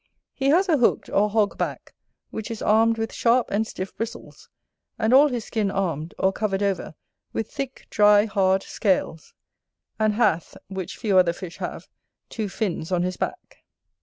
He has a hooked or hog back, which is armed with sharp and stiff bristles, and all his skin armed, or covered over with thick dry hard scales, and hath, which few other fish have, two fins on his back.